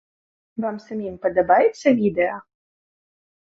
Вам самім падабаецца відэа?